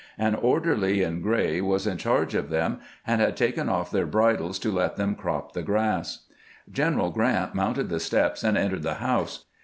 An orderly in gray was in charge of them, and had taken off their bridles to let them crop the grass. G eneral Grant mounted the steps and entered the house.